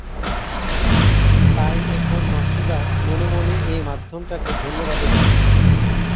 তাই এখন মাছুদা মনে মনে এ মাধ্যমটাকে ধন্যবাদও দেয়।